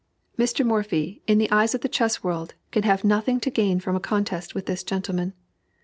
Mr. Morphy, in the eyes of the chess world, can have nothing to gain from a contest with this gentleman.